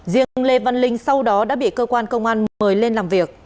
riêng ông lê văn linh sau đó đã bị cơ quan công an mời lên làm việc